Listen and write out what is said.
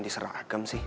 diserah agama sih